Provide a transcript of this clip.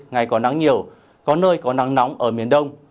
ngày có nắng nhiều có nơi có nắng nóng ở miền đông